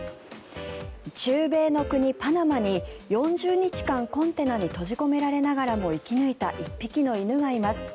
中米の国パナマに４０日間コンテナに閉じ込められながらも生き抜いた１匹の犬がいます。